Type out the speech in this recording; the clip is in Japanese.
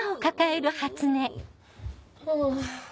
あぁ。